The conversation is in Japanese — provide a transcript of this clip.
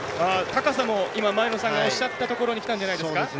高さも、前野さんがおっしゃったところにきたんじゃないですか。